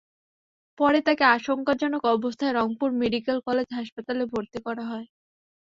পরে তাঁকে আশঙ্কাজনক অবস্থায় রংপুর মেডিকেল কলেজ হাসপাতালে ভর্তি করা হয়।